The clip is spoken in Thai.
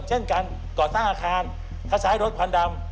เช่นการก่อสร้างอาคารถ้าใช้รถควันดำ